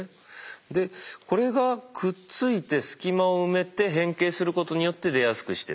でこれがくっついて隙間を埋めて変形することによって出やすくしてる。